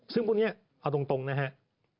ซึ่งพวกนี้เอาตรงนะครับ